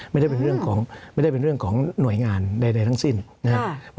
ไม่ได้เป็นเรื่องของหน่วยงานใดทั้งสิ้นนะครับ